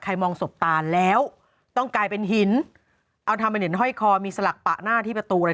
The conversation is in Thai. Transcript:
ใช้มองสมป่าแล้วต้องกลายเป็นหินเอาทำให้เหน่นห้อยคอมีสลักปะหน้าที่ประตู